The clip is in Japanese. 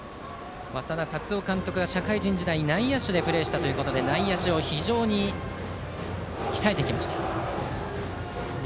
稙田龍生監督が社会人時代、内野手でプレーしたということで内野手を非常に鍛えてきました。